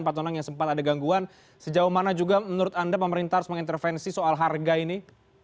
pak tonang yang sempat ada gangguan sejauh mana juga menurut anda pemerintah harus mengintervensi soal harga ini